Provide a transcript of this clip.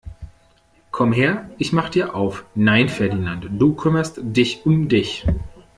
Komm her, ich mach dir auf! Nein Ferdinand, du kümmerst dich um dich!